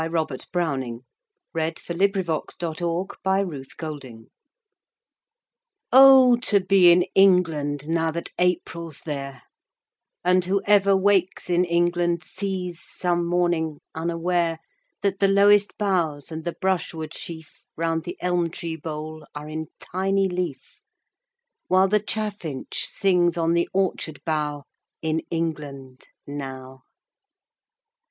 Robert Browning Home Thoughts, From Abroad OH, to be in England Now that April's there, And whoever wakes in England Sees, some morning, unaware, That the lowest boughs and the brush wood sheaf Round the elm tree bole are in tiny leaf, While the chaffinch sings on the orchard bough In England now!